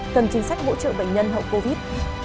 cần chính sách bỗ trợ bệnh nhân hậu covid